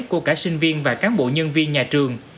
của cả sinh viên và cán bộ nhân viên nhà trường